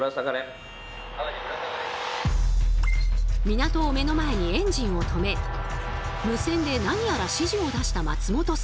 港を目の前にエンジンを止め無線で何やら指示を出した松本さん。